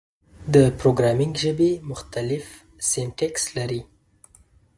د پروګرامینګ ژبې مختلف سینټکس لري.